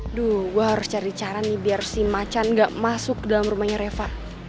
aduh gue harus cari cara nih biar si macan gak masuk ke dalam rumahnya reva